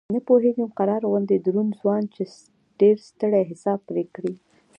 نه پوهېږم قرار غوندې دروند ځوان چې ډېر ستر حساب پرې کړی.